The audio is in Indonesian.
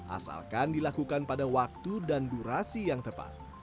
asalkan dilakukan pada waktu dan durasi yang tepat